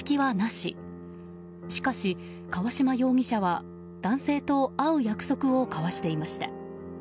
しかし、川島容疑者は男性と会う約束を交わしていました。